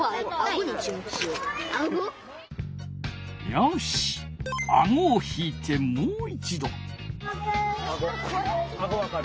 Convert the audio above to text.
よしあごを引いてもう一度。